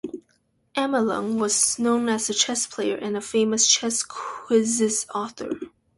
Amelung was known as a chess player and a famous chess quiz's author.